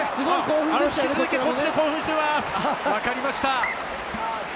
引き続き、こっちで興奮わかりました。